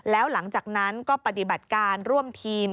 แล้วหลังจากนั้นก็ปฏิบัติการร่วมทีม